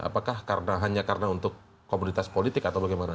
apakah hanya karena untuk komunitas politik atau bagaimana